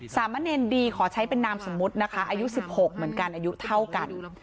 สามะเนรดีขอใช้เป็นนามสมมุตินะคะอายุ๑๖เหมือนกันอายุเท่ากัน